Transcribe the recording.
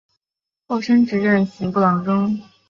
后升任刑部郎中。